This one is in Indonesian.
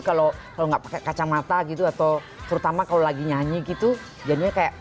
kalau nggak pakai kacamata gitu atau terutama kalau lagi nyanyi gitu jadinya kayak